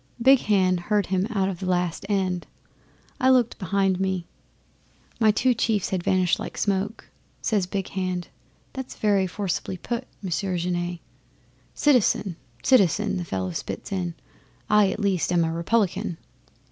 'Big Hand heard him out to the last end. I looked behind me, and my two chiefs had vanished like smoke. Says Big Hand, "That is very forcibly put, Monsieur Genet " '"Citizen citizen!" the fellow spits in. "I, at least, am a Republican!"